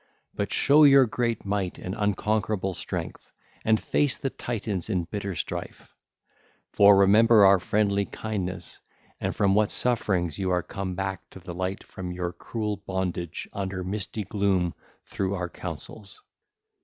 But do you show your great might and unconquerable strength, and face the Titans in bitter strife; for remember our friendly kindness, and from what sufferings you are come back to the light from your cruel bondage under misty gloom through our counsels.